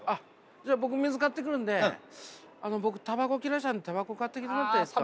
じゃあ僕水買ってくるんであの僕タバコ切らしちゃったんでタバコ買ってきてもらっていいですか？